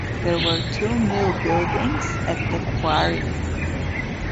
There were two mill buildings at the quarry.